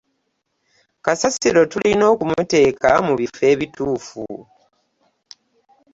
kasasiro tulina okumuteeka mu bifo ebituufu.